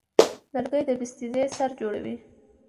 لرګی د بسترې سر جوړوي.